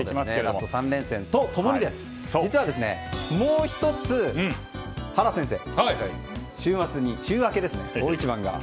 ラスト３連戦と共に実はもう１つ、原先生週明けに大一番が。